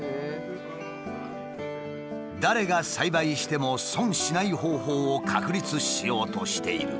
誰が栽培しても損しない方法を確立しようとしている。